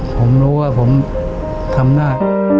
ผมรู้ว่าผมทำหน้า